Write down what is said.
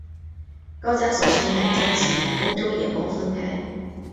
高加索山脉将其与欧洲野猫分开。